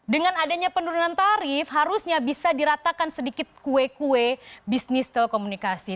dengan adanya penurunan tarif harusnya bisa diratakan sedikit kue kue bisnis telekomunikasi